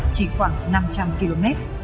chỉ khoảng năm trăm linh km